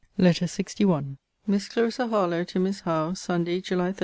LETTER LXI MISS CLARISSA HARLOWE, TO MISS HOWE SUNDAY, JULY 30.